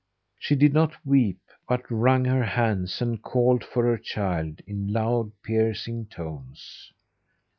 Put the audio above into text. She did not weep, but wrung her hands and called for her child in loud piercing tones.